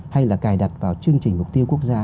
hay là cài đặt vào chương trình mục tiêu quốc gia